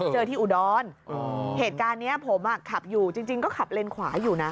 เจอที่อุดรเหตุการณ์นี้ผมขับอยู่จริงก็ขับเลนขวาอยู่นะ